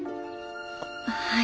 はい。